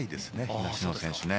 東野選手ね。